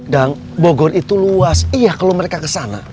dang bogor itu luas iya kalau mereka kesana